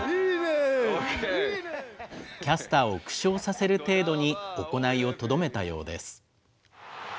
キャスターを苦笑させる程度に行いをとどめたようです。